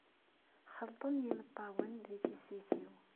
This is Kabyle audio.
Xelṭen yimeṭṭawen di tissit-iw.